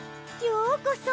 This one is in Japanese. ようこそ